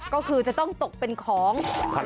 ก็คือจะต้องตกเป็นของ